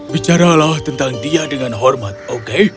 bicaralah tentang dia dengan hormat oke